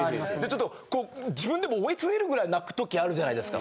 ちょっと自分でも嗚咽出るぐらい泣く時あるじゃないですか。